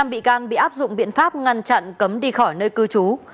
năm bị can bị áp dụng biện pháp ngăn chặn cấm đi khỏi nơi cư trú